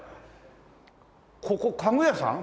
ここ家具屋さん？